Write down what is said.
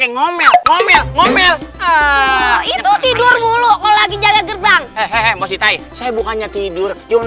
ngomel ngomel ngomel itu tidur mulu lagi jaga gerbang hehehe mpok sita saya bukannya tidur cuman